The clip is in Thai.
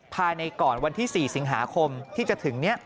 ภายในก่อนวันที่๔สิงหาคมที่จะถึงนี้